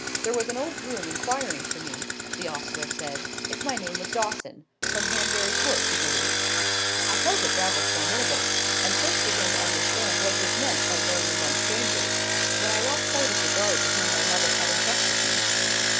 There was an old groom inquiring for me, the ostler said, if my name was Dawson—from Hanbury Court, he believed. I felt it rather formidable; and first began to understand what was meant by going among strangers, when I lost sight of the guard to whom my mother had intrusted me.